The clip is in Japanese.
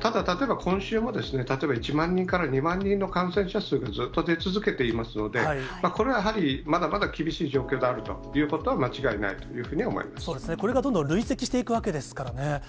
ただ、例えば今週も、例えば、１万人から２万人の感染者数がずっと出続けていますので、これはやはり、まだまだ厳しい状況であるということは間違いないというそうですね、これがどんどん累積していくわけですからね。